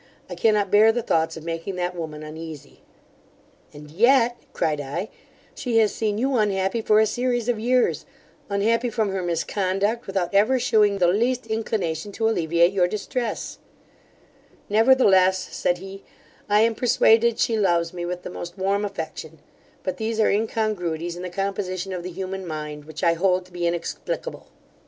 I cannot bear the thoughts of making that woman uneasy' 'And yet (cried I), she has seen you unhappy for a series of years unhappy from her misconduct, without ever shewing the least inclination to alleviate your distress' 'Nevertheless (said he) I am persuaded she loves me with the most warm affection; but these are incongruities in the composition of the human mind which I hold to be inexplicable.